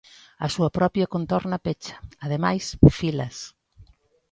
A súa propia contorna pecha, ademais, filas.